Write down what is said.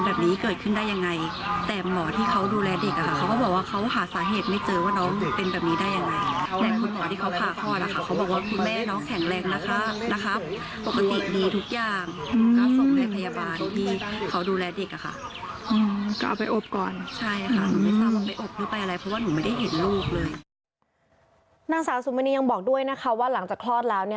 นางสาวสุมณียังบอกด้วยนะคะว่าหลังจากคลอดแล้ว